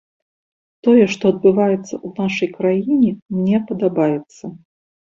Тое, што адбываецца ў нашай краіне, мне падабаецца.